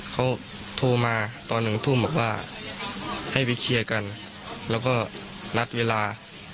เขาโทรมาตอนหนึ่งทุ่มบอกว่าให้ไปเคลียร์กันแล้วก็นัดเวลา